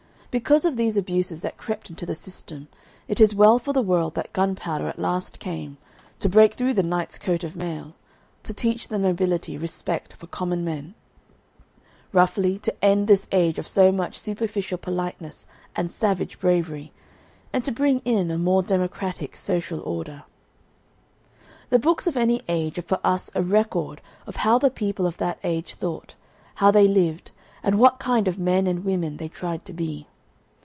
Because of these abuses that crept into the system, it is well for the world that gunpowder at last came, to break through the knight's coat of mail, to teach the nobility respect for common men, roughly to end this age of so much superficial politeness and savage bravery, and to bring in a more democratic social order. The books of any age are for us a record of how the people of that age thought, how they lived, and what kind of men and women they tried to be.